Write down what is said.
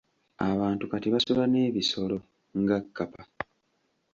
Abantu kati basula n'ebisolo nga kkapa.